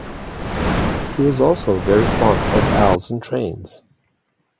He was also very fond of owls and trains.